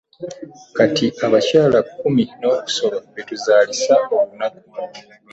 Kati abakyala kkumi n'okusoba be tuzaazisa olunaku.